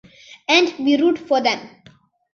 And we root for them.